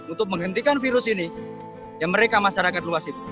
untuk menghentikan virus ini yang mereka masyarakat luas itu